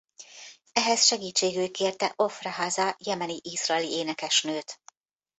Ehhez segítségül kérte Ofra Haza jemeni-izraeli énekesnőt.